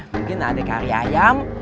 mungkin adek kari ayam